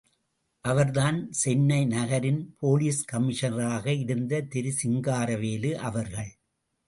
அவர்தான் சென்னை நகரின்போலீஸ் கமிஷனராக இருந்த திரு சிங்காரவேலு அவர்கள்.